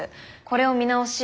これを見直し